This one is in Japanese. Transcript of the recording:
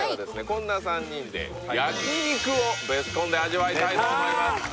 こんな３人で焼肉をベスコンで味わいたいと思います